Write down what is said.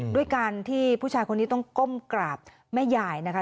ด้วยการที่ผู้ชายคนนี้ต้องก้มกราบแม่ยายนะคะ